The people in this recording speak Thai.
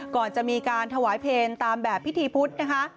ก่อนจะมีการถวายเพลงตามแบบพิธีพุทธนะคะ